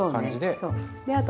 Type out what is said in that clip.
そう。